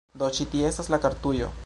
Do ĉi tie estas la kartujo